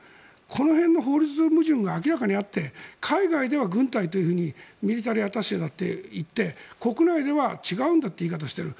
この辺の法律矛盾があって海外では軍隊というふうに言っていて国内では違うんだという言い方をしている。